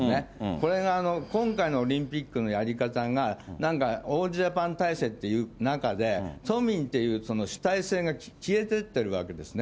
これが今回のオリンピックのやり方が、なんかオールジャパン体制っていう中で、都民っていう主体性が消えてってるわけですね。